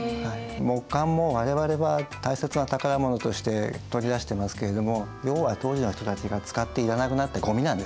木簡も我々は大切な宝物として取り出してますけれども要は当時の人たちが使っていらなくなったゴミなんですね。